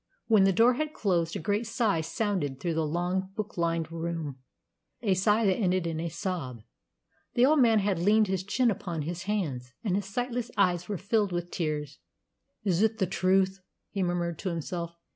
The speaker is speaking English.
When the door had closed a great sigh sounded through the long, book lined room, a sigh that ended in a sob. The old man had leaned his chin upon his hands, and his sightless eyes were filled with tears. "Is it the truth?" he murmured to himself.